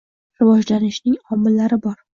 Rivojlanishning omillari bor.